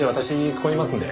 ここにいますので。